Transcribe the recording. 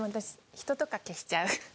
人とか消しちゃう？